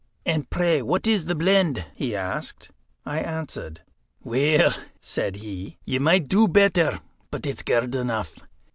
"And pray, what is the blend?" he asked. I answered. "Weel," said he, "ye might do better, but it's guid enough.